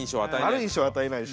悪い印象与えないし